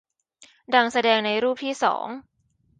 ดังแสดงในรูปที่สอง